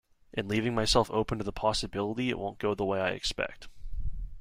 And leaving myself open to the possibility it won't go the way I expect.